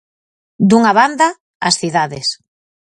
Dunha banda, as cidades.